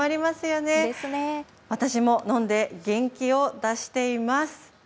私も飲んで、元気を出しています。